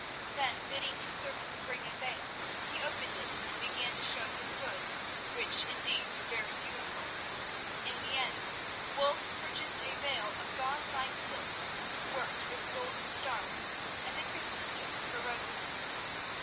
Then bidding his servant bring a bale, he opened it, and began to show his goods, which, indeed, were very beautiful. In the end Wulf purchased a veil of gauze like silk worked with golden stars as a Christmas gift for Rosamund.